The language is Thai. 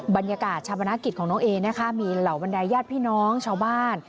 บรรยากาศชาปนากิจของน้องเอนะคะมีเหล่าบรรดายญาติพี่น้องชาวบ้าน